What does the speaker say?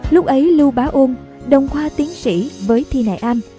lúc ấy lưu bá ôm đồng khoa tiến sĩ với thi nại am